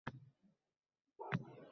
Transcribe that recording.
Mushuk cho‘loq bo‘lib qoldi.